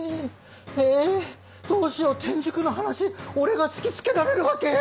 えどうしよう転塾の話俺が突き付けられるわけ？